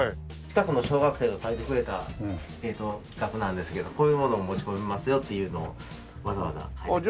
近くの小学生が描いてくれた企画なんですけどこういうものを持ち込めますよっていうのをわざわざ描いて。